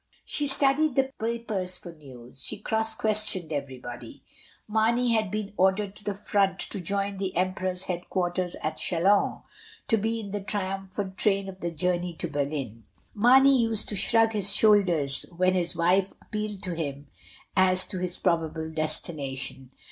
She studied the papers for news; she cross questioned everybody. Mamey had been ordered to the front to join the emperor's head quarters at Chylous, to be in the triumphant train of the joumey to Berlin. Marney used to shmg his shoulders when his wife appealed to him as to his probable destination.